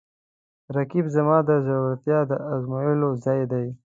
رقیب زما د زړورتیا د ازمویلو ځای دی